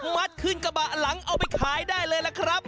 มัดขึ้นกระบะหลังเอาไปขายได้เลยล่ะครับ